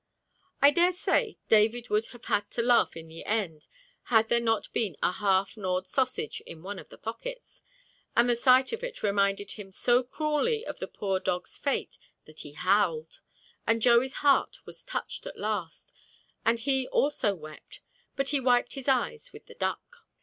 I daresay David would have had to laugh in the end, had there not been a half gnawed sausage in one of the pockets, and the sight of it reminded him so cruelly of the poor dog's fate that he howled, and Joey's heart was touched at last, and he also wept, but he wiped his eyes with the duck.